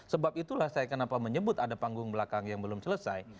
sebab itulah saya kenapa menyebut ada panggung belakang yang belum selesai